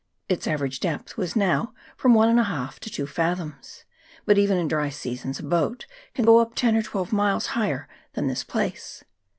Its average depth was now from one and a half to two fathoms ; but even in dry seasons a boat can go up ten or twelve miles higher than this place.